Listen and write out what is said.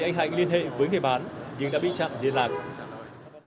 anh hạnh liên hệ với người bán nhưng đã bị chặn liên lạc